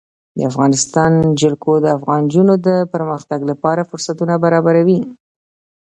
د افغانستان جلکو د افغان نجونو د پرمختګ لپاره فرصتونه برابروي.